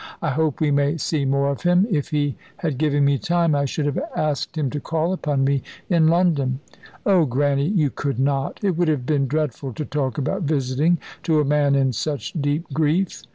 "I hope we may see more of him. If he had given me time, I should have asked him to call upon me in London." "Oh, Grannie, you could not! It would have been dreadful to talk about visiting to a man in such deep grief."